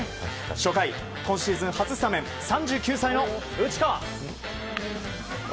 初回、今シーズン初スタメン３９歳の内川。